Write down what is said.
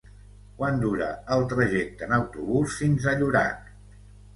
Quant dura el trajecte en autobús fins a Llorac?